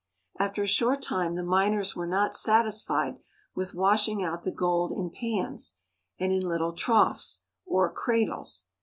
After a short time the miners were not satisfied with washing out the gold in pans and in little troughs, or cradles.